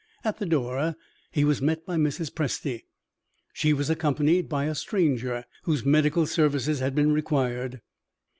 At the door he was met by Mrs. Presty. She was accompanied by a stranger, whose medical services had been required.